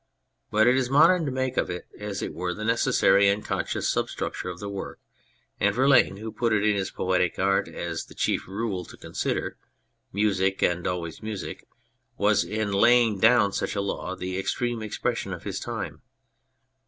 But it is modern to make of it, as it were, the necessary and conscious substructure of the work, and Verlaine, who put it in his Poetic Art as the chief rule to con sider " Music and always Music/' was, in laying down such a law, the extreme expression of his time.